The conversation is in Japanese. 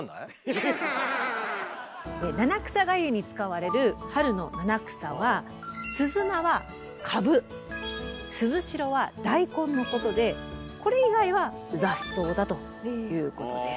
七草がゆに使われる春の七草はすずなはかぶすずしろはだいこんのことでこれ以外は雑草だということです。